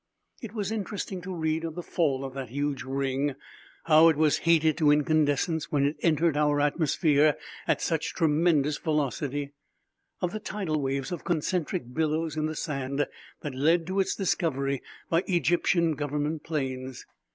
It was interesting to read of the fall of that huge ring; how it was heated to incandescence when it entered our atmosphere at such tremendous velocity; of the tidal waves of concentric billows in the sand that led to its discovery by Egyptian Government planes.